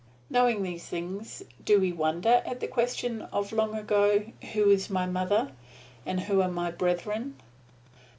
Knowing these things, do we wonder at the question of long ago, "Who is my mother, and who are my brethren"?